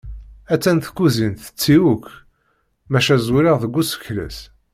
Ha-tt-an tkuzint tetti akk maca zwireɣ deg usekles.